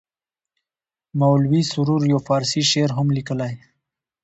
مولوي سرور یو فارسي شعر هم لیکلی.